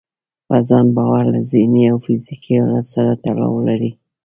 په ځان باور له ذهني او فزيکي حالت سره تړاو لري.